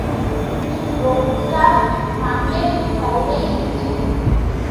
It broadcasts Monday to Friday each week.